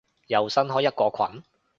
又新開一個群？